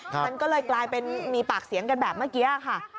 มันก็เลยกลายเป็นมีปากเสียงกันแบบเมื่อกี้ค่ะ